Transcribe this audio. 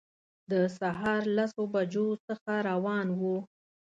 د سهار لسو بجو څخه روان وو.